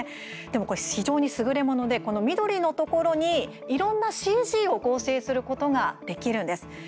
でもこれ、非常にすぐれものでこの緑のところにいろんなＣＧを合成することができるんです。